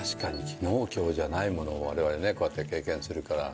昨日今日じゃないものを我々ねこうやって経験するから。